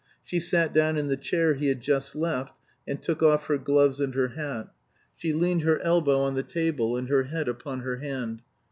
She sat down in the chair he had just left, and took off her gloves and her hat. She leaned her elbow on the table and her head upon her hand.